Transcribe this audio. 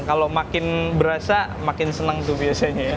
kalau makin berasa makin seneng tuh biasanya ya